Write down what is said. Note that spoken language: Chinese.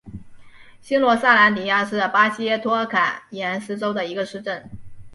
新罗萨兰迪亚是巴西托坎廷斯州的一个市镇。